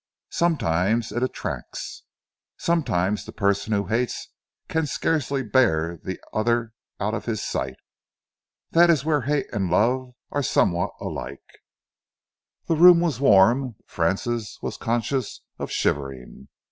Sometimes it attracts. Sometimes the person who hates can scarcely bear the other out of his sight. That is where hate and love are somewhat alike." The room was warm but Francis was conscious of shivering.